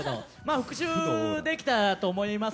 復讐できたと思います。